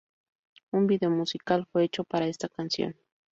Un video musical fue hecho para esta canción.